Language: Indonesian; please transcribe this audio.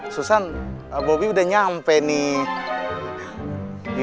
susan bobi udah nyampe nih